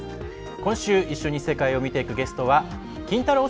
今週、一緒に世界を見ていくゲストはキンタロー。